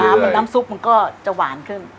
น้ำซุปมันก็จะหวานขึ้น